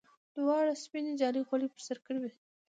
دواړو سپینې جالۍ خولۍ پر سر کړې وې.